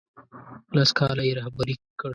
لس کاله یې رهبري کړ.